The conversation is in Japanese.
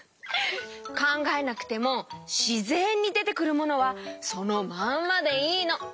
かんがえなくてもしぜんにでてくるものはそのまんまでいいの。